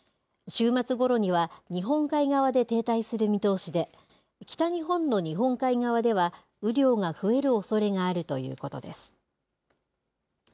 週末ごろには、日本海側で停滞する見通しで、北日本の日本海側では、雨量が増えるおそれがあるということです。